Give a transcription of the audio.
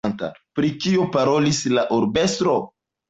Pri kio parolis la urbestro?